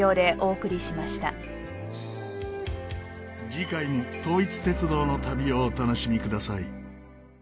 次回も統一鉄道の旅をお楽しみください。